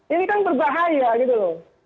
ini kan berbahaya gitu loh